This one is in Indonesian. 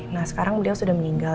nah sekarang beliau sudah meninggal